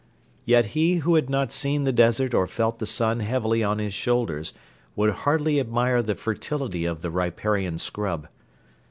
Yet he who had not seen the desert or felt the sun heavily on his shoulders would hardly admire the fertility of the riparian scrub.